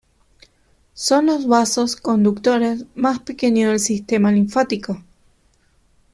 Son los vasos conductores más pequeños del sistema linfático.